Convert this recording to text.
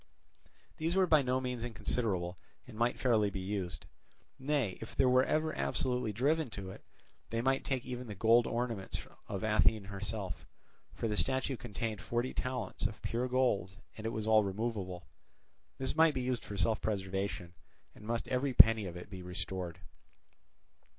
These were by no means inconsiderable, and might fairly be used. Nay, if they were ever absolutely driven to it, they might take even the gold ornaments of Athene herself; for the statue contained forty talents of pure gold and it was all removable. This might be used for self preservation, and must every penny of it be restored.